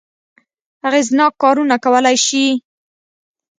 اغېزناک کارونه کولای شي.